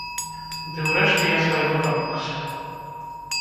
Ды ўрэшце я свайго дамогся.